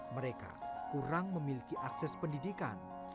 mereka kurang memiliki akses pendidikan